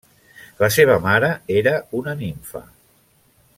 La seva mare era una nimfa.